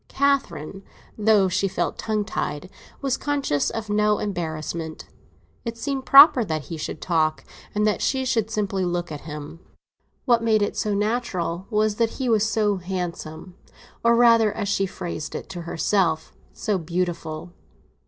Catherine, though she felt tongue tied, was conscious of no embarrassment; it seemed proper that he should talk, and that she should simply look at him. What made it natural was that he was so handsome, or rather, as she phrased it to herself, so beautiful.